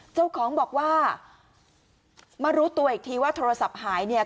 เจ้าของบอกว่ามารู้ตัวอีกทีว่าโทรศัพท์หายเนี่ย